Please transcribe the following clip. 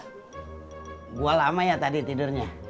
gua lama ya tadi tidurnya